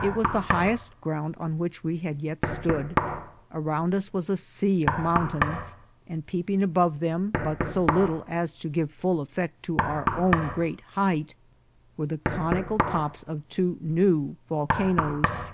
It was the highest ground on which we had yet stood. Around us was a sea of mountains, and peeping above them, but so little as to give full effect to our own great height, were the conical tops of two new volcanoes.